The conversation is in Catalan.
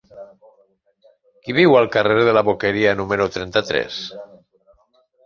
Qui viu al carrer de la Boqueria número trenta-tres?